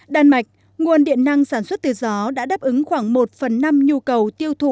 đan mạch nguồn điện năng sản xuất từ gió đã đáp ứng khoảng một phần năm nhu cầu tiêu thụ